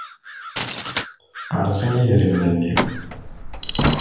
Qqersen yidrimen-nni.